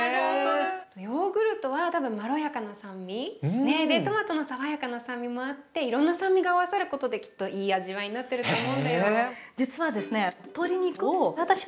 ヨーグルトは多分まろやかな酸味。でトマトの爽やかな酸味もあっていろんな酸味が合わさることできっといい味わいになってると思うんだよ。